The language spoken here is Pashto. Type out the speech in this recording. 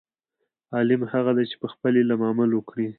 عالم هغه دی، چې په خپل علم عمل وکړي.